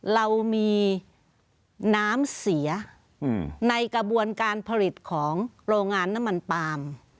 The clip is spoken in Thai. เรามีน้ำเสียในกระบวนการผลิตของโรงงานน้ำมันปาล์ม